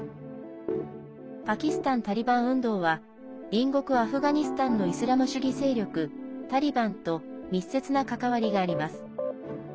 パキスタン・タリバン運動は隣国アフガニスタンのイスラム主義勢力タリバンと密接な関わりがあります。